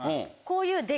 こういう。